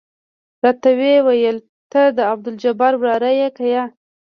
راته ويې ويل ته د عبدالجبار وراره يې که يه.